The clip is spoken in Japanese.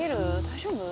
大丈夫？